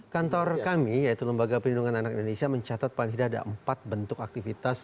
kantor kami yaitu lembaga pelindungan anak indonesia mencatat paling tidak ada empat bentuk aktivitas